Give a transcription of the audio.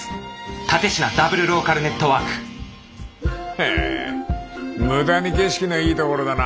へえ無駄に景色のいい所だな。